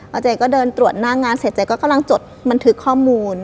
เอาเจ๊ก็เดินตรวจหน้างานเสร็จเจ๊ก็กำลังจดบันทึกข้อมูล